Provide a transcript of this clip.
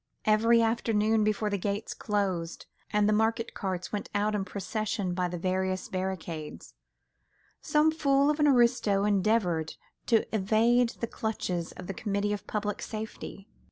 Every afternoon before the gates closed and the market carts went out in procession by the various barricades, some fool of an aristo endeavoured to evade the clutches of the Committee of Public Safety.